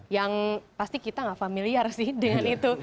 yang pasti kita nggak familiar sih dengan itu